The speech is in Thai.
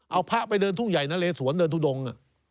เอาพระไปเดินทุ่งใหญ่นะเลสวนเดินทุดง